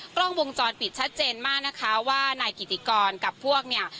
กล้องวงจรปิดชัดเจนมากนะคะว่านายกิติกรกับพวกเนี่ย